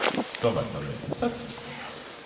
Tomēr tam neticat?